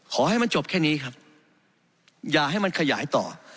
ขอให้มันจบแค่นี้ครับอย่าให้มันขยายต่อ